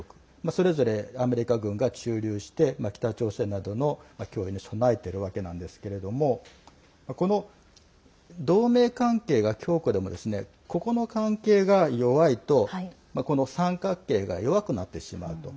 それぞれアメリカ軍が駐留して北朝鮮などの脅威に備えているわけなんですけれどもこの同盟関係が強固でもここの関係が弱いとこの三角形が弱くなってしまうと。